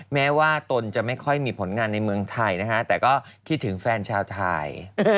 แม้ว่าตนจะไม่ค่อยมีผลงานในเมืองไทยนะฮะแต่ก็คิดถึงแฟนชาวไทย